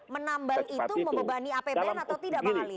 oke pertanyaan saya menambal itu membebani apbn atau tidak pak ali